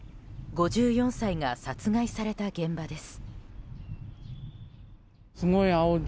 ５４歳が殺害された現場です。